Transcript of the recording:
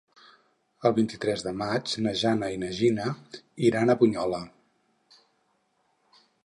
El vint-i-tres de maig na Jana i na Gina iran a Bunyola.